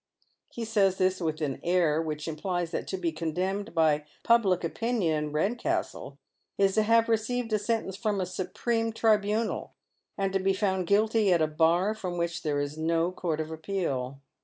He says this with an air which implies that to be condemned by public opinion in Eedcastle is to have received sentence from a supreme tribunal, and to be found guilty at a bar from which there is no court of appeal.